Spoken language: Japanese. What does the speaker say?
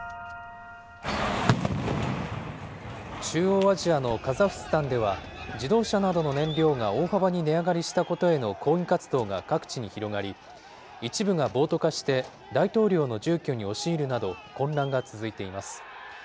中央アジアのカザフスタンでは、自動車などの燃料が大幅に値上がりしたことへの抗議活動が各地に広がり、一部が暴徒化して、大統領の住居に押し入るなど、混乱が続いています。